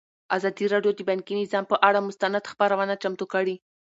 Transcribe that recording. ازادي راډیو د بانکي نظام پر اړه مستند خپرونه چمتو کړې.